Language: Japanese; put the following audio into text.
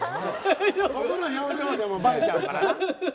ここの表情でもばれちゃうからな。